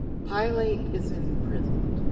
Pilate is imprisoned.